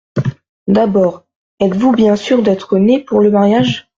D’abord, êtes-vous bien sûr d’être né pour le mariage ?…